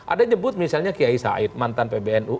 ada nyebut misalnya kiai said mantan pbnu